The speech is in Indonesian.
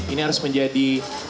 ini harus menjadi